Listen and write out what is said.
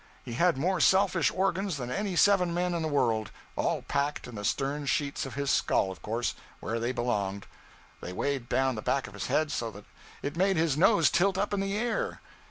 He had more selfish organs than any seven men in the world all packed in the stern sheets of his skull, of course, where they belonged. They weighed down the back of his head so that it made his nose tilt up in the air.